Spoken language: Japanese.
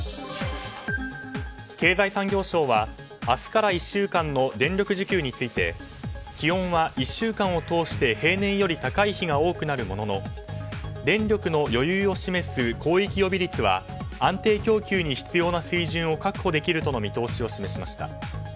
経済産業省は明日から１週間の電力需給について気温は１週間を通して平年より高い日が多くなるものの電力の余裕を示す広域予備率は安定供給に必要な水準を確保できるとの見通しを示しました。